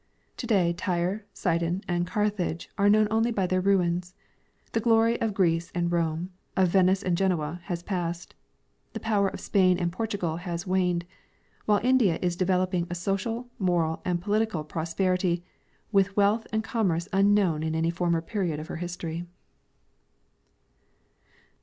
Today Tyre, Siclon, and Carthage are known only by their ruins ; the glory of Greece and Rome, of Venice and Genoa, has passed ; the power of SjDain and Portugal has waned, while India is developing a social, moral, and political prosperity, with Avealth and commerce unknoAvn in any former period of her history.